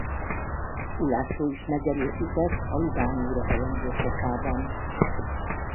Ulászló is megerősített a ludányi uradalom birtokában.